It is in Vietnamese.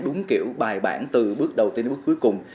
đúng kiểu bài bản từ bước đầu tiên đến bước cuối cùng